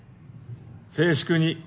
静粛に。